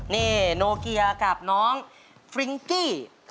นี่โนเกียกับน้องฟริ้งกี้